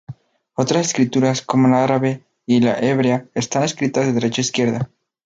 Otras escrituras, como la árabe y la hebrea, están escritas de derecha a izquierda.